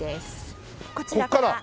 ここから？